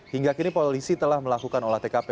hingga kini polisi telah melakukan olah tkp